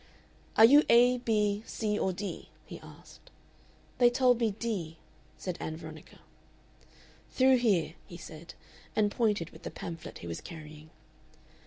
"Are you A, B, C, or D?" he asked. "They told me D," said Ann Veronica. "Through there," he said, and pointed with the pamphlet he was carrying.